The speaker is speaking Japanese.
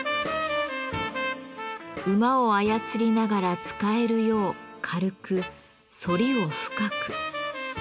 馬を操りながら使えるよう軽く反りを深く。